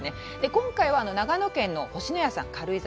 今回は長野県の星のや軽井沢。